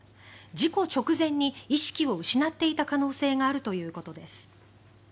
事故直前に意識を失っていた可能性があるということです。